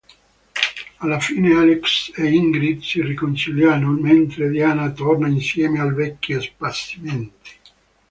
Alla fine Alex e Ingrid si riconciliano, mentre Diana torna insieme al vecchio spasimante.